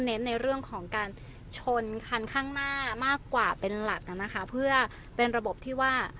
ในเรื่องของการชนคันข้างหน้ามากกว่าเป็นหลักนะคะเพื่อเป็นระบบที่ว่า